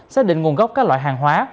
xác định nguồn gốc các loại hàng hóa